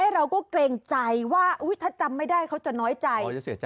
เราก็เกรงใจว่าถ้าจำไม่ได้เขาจะน้อยใจ